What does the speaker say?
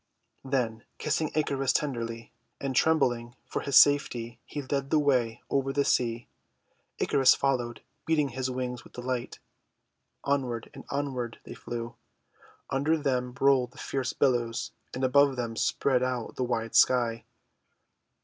Then kissing Icarus tenderly, and trembling for his safety, he led the way over the sea. Icarus followed, beating his wings with delight. Onward and onward they flew. Under them rolled the fierce billows, and above them spread out the wide sky.